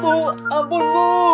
bu ampun bu